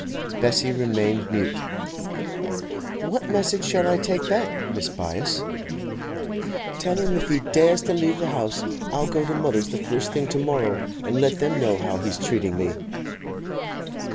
Bessie remained mute. 'What message shall I take back, Mrs. Byass?' 'Tell him if he dares to leave the house, I'll go to mother's the first thing to morrow, and let them know how he's treating me.